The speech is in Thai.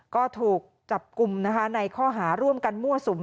ก็ถูกจับกลุ่มนะคะในข้อหาร่วมกันมั่วสุม